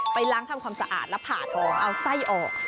ล้างทำความสะอาดแล้วผ่าทองเอาไส้ออก